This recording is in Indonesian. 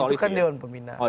itu kan dewan pembina